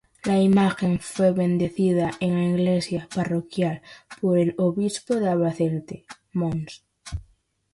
La imagen fue bendecida en la Iglesia Parroquial por el Obispo de Albacete, Mons.